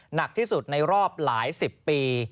หนักที่สุดในรอบหลายสิบปี